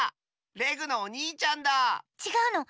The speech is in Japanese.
レグのおにいちゃんだ！ちがうの。